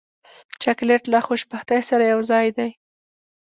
چاکلېټ له خوشبختۍ سره یوځای دی.